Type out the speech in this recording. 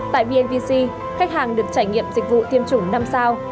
tại vnvc khách hàng được trải nghiệm dịch vụ tiêm chủng năm sao